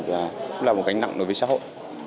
và cũng là một cánh nặng đối với xã hội